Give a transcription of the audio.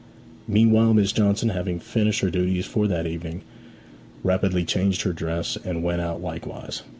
Meanwhile, Miss Johnson, having finished her duties for that evening, rapidly changed her dress, and went out likewise.